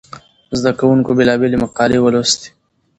زده کوونکو بېلابېلې مقالې ولوستې.